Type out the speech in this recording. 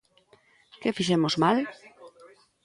Que fixemos mal?